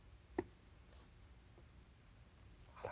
あら。